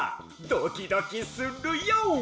ドキドキするＹＯ！